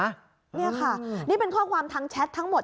นี่ค่ะนี่เป็นข้อความทางแชททั้งหมด